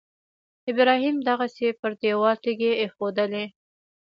ابراهیم دغسې پر دېوال تیږې ایښودلې.